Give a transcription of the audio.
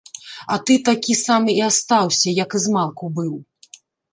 А ты такі самы і астаўся, як і змалку быў.